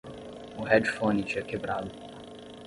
O headphone tinha quebrado